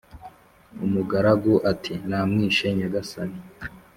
umugaragu ati"namwishe nyagasani"